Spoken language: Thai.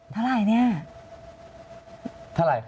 เท่าไหร่เนี่ย